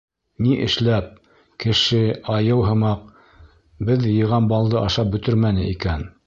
— Ни эшләп Кеше, Айыу һымаҡ, беҙ йыйған балды ашап бөтөрмәне икән?